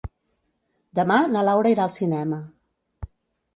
Demà na Laura irà al cinema.